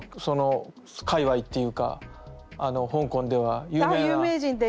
その界わいっていうかあの香港では有名な。